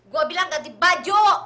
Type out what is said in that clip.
gue bilang ganti baju